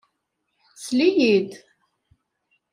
Sel-iyi-d!